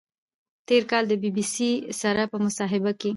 تېر کال د بی بی سي سره په مصاحبه کې